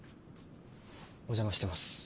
お邪魔してます。